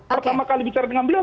pertama kali bicara dengan beliau